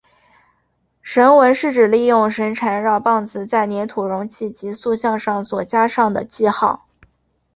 绳文是指利用绳缠绕棒子在黏土容器及塑像上所加上的记号。